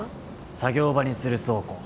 作業場にする倉庫。